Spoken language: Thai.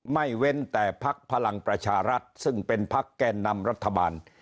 เว้นแต่พักพลังประชารัฐซึ่งเป็นพักแก่นำรัฐบาล